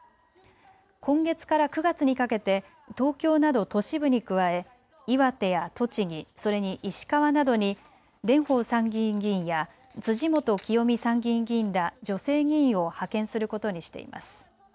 今月から９月にかけて東京など都市部に加え岩手や栃木、それに石川などに蓮舫参議院議員や辻元清美参議院議員ら女性議員を派遣することにしています。